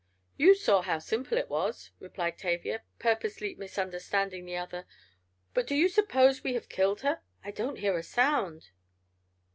"You saw how simple it was," replied Tavia, purposely misunderstanding the other. "But do you suppose we have killed her? I don't hear a sound!"